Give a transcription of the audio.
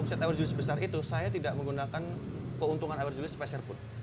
opset iwer zule sebesar itu saya tidak menggunakan keuntungan iwer zule sepasar pun